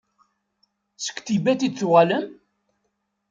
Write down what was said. Seg Tibet i d-tuɣalem?